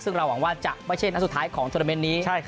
ซึ่งเราหวังว่าจะไม่ใช่นัดสุดท้ายของโทรเมนต์นี้